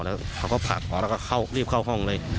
แล้วเขาก็ผลักออกแล้วก็รีบเข้าห้องเลย